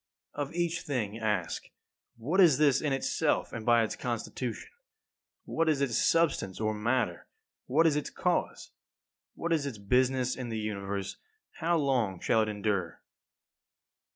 11. Of each thing ask: What is this in itself and by its constitution? What is its substance or matter? What is its cause? What is its business in the Universe? How long shall it endure?